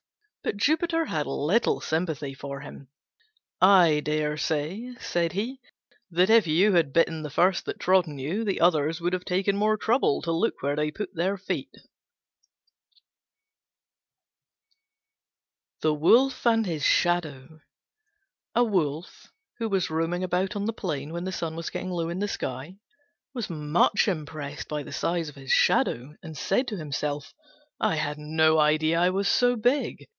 But Jupiter had little sympathy for him. "I dare say," said he, "that if you had bitten the first that trod on you, the others would have taken more trouble to look where they put their feet." THE WOLF AND HIS SHADOW A Wolf, who was roaming about on the plain when the sun was getting low in the sky, was much impressed by the size of his shadow, and said to himself, "I had no idea I was so big.